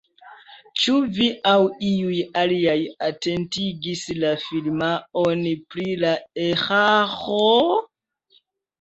Ĉu vi aŭ iuj aliaj atentigis la firmaon pri la eraro?